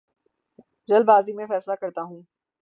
جلد بازی میں فیصلے کرتا ہوں